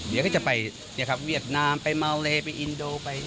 เดี๋ยวก็จะไปเวียดนามไปเมาเลไปอินโดไป